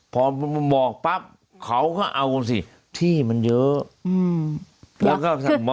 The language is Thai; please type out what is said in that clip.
พอหมอกปั๊บเขาก็เอาสิที่มันเยอะ